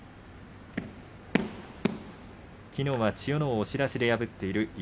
きのうは千代ノ皇を押し出しで破っている一